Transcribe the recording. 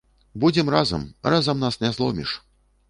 Будзем разам, разам нас не зломіш.